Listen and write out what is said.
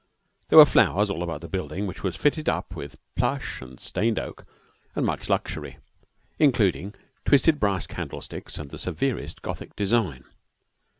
There were flowers all about the building, which was fitted up with plush and stained oak and much luxury, including twisted brass candlesticks of severest Gothic design.